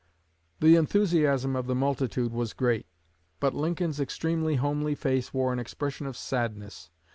The enthusiasm of the multitude was great; but Lincoln's extremely homely face wore an expression of sadness.